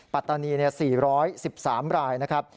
ปัตตานี๔๑๓รายนะครับ